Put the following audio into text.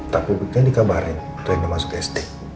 tak pubiknya dikabarin rena masuk sd